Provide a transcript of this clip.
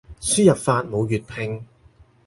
輸入法冇粵拼